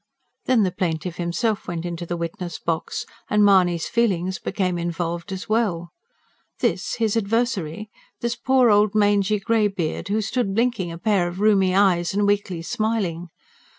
Then the plaintiff himself went into the witness box and Mahony's feelings became involved as well. This his adversary! this poor old mangy greybeard, who stood blinking a pair of rheumy eyes and weakly smiling.